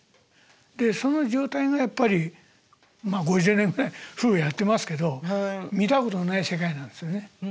でその状態がやっぱりまあ５０年ぐらい夫婦やってますけど見たことのない世界なんですよね。